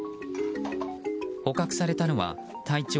捕獲されたのは体長